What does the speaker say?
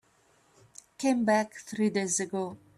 Came back three days ago.